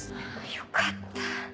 よかった。